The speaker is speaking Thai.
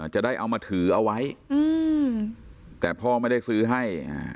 จะได้เอามาถือเอาไว้แต่พ่อไม่ได้ซื้อให้